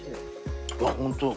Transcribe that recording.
うわっホントだ。